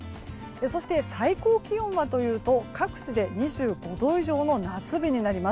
そして最高気温はというと各地で２５度以上の夏日です。